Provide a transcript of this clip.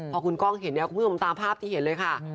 พอคุณกล้องเห็นเนี่ยคุณผู้ชมตามภาพที่เห็นเลยค่ะ